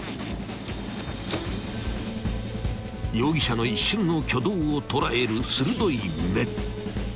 ［容疑者の一瞬の挙動を捉える］